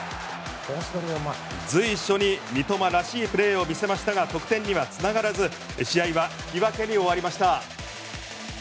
随所に三笘らしいプレーを見せましたが得点には繋がらず試合は引き分けに終わりました。